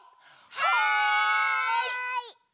はい！